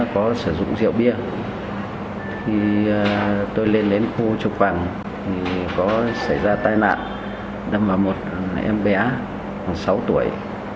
khi tôi lên đến khu chọc vàng có xảy ra tai nạn đâm vào một em bé khoảng sáu tuổi